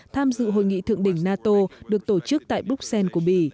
tham dự hội nghị thượng đỉnh nato được tổ chức tại bruxelles của bỉ